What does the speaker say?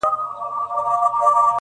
حقيقت د وخت قرباني کيږي تل,